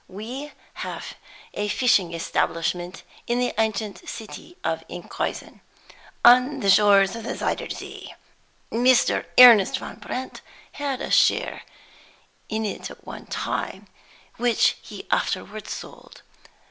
We have a fishing establishment in the ancient city of Enkhuizen, on the shores of the Zuyder Zee. Mr. Ernest Van Brandt had a share in it at one time, which he afterward sold.